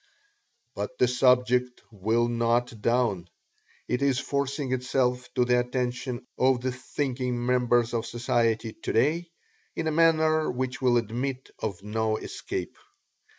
But the subject will not down it is forcing itself to the attention of the thinking members of society today in a manner which will admit of no escape.